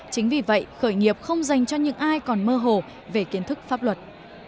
chính vì vậy khởi nghiệp không dành cho những ai còn mơ hồ về kiến thức pháp luật